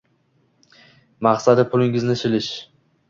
Maqsadi pulingizni shilish.